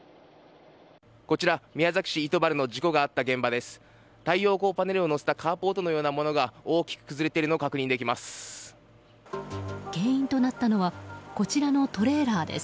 こちら、宮崎市糸原の事故があった現場です。